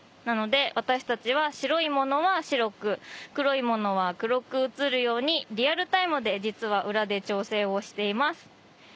なので私たちは白いものは白く黒いものは黒く映るようにリアルタイムで実は裏で調整をしています。